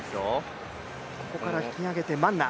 ここから引き上げて、マンナ。